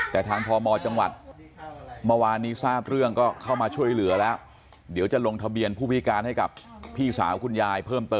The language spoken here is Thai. แต่ทางพม